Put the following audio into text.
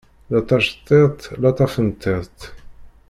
La taceṭṭiḍt la tafenṭiḍt.